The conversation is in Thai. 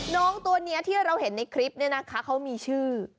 น้องตัวนี้ที่เราเห็นในคลิปนี้นะคะเขามีชื่อ